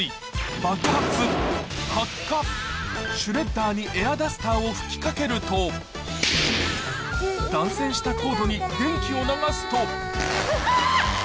シュレッダーにエアダスターを吹き掛けると断線したコードに電気を流すとあぁ！